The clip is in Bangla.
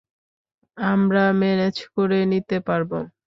আমরা মেনেজ করে নিতে পারব।